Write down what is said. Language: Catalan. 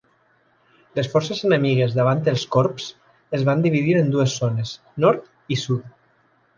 Les forces enemigues davant els Korps es van dividir en dues zones: nord i sud.